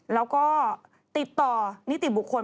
แล้วก็ติดต่อนิติบุคคล